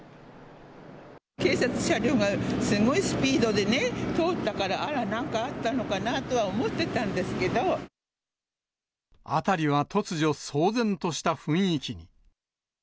警察車両がすごいスピードでね、通ったから、あら、なんかあったのかなとは思ってたんですけ辺りは突如、騒然とした雰囲気に。